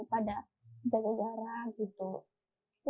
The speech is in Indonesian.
pada dagu darah gitu